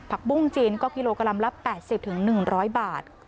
ปุ้งจีนก็กิโลกรัมละ๘๐๑๐๐บาท